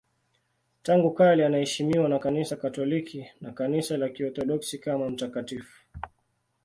Tangu kale anaheshimiwa na Kanisa Katoliki na Kanisa la Kiorthodoksi kama mtakatifu.